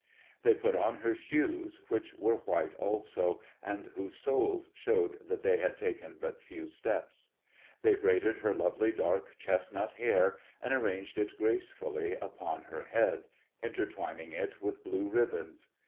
They put on her shoes, which were white too, and whose soles showed that they had taken but few steps. They braided her lovely dark chestnut hair, and arranged it gracefully about her head, intertwining it with blue ribbons.